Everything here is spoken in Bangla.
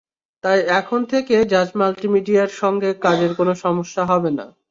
তাই এখন থেকে জাজ মাল্টিমিডিয়ার সঙ্গে কাজের কোনো সমস্যা হবে না।